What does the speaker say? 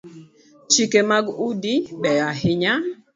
Chike mag udi beyo ahinya